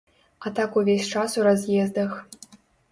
А так увесь час у раз'ездах.